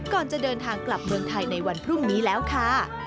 ก่อนจะเดินทางกลับเมืองไทยในวันพรุ่งนี้แล้วค่ะ